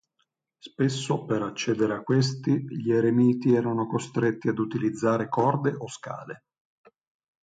Spesso per accedere a questi gli eremiti erano costretti ad utilizzare corde o scale.